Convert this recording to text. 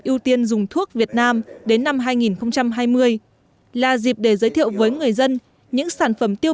ưu tiên dùng thuốc việt nam đến năm hai nghìn hai mươi là dịp để giới thiệu với người dân những sản phẩm tiêu